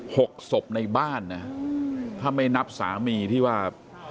หกศพในบ้านนะถ้าไม่นับสามีที่ว่า